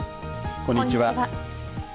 こんにちは。